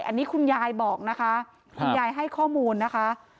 อันนี้คุณยายบอกนะคะคุณยายให้ข้อมูลนะคะ